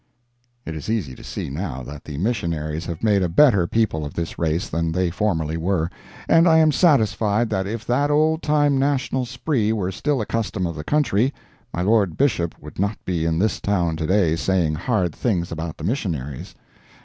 It is easy to see, now, that the missionaries have made a better people of this race than they formerly were; and I am satisfied that if that old time national spree were still a custom of the country, my Lord Bishop would not be in this town to day saying hard things about the missionaries.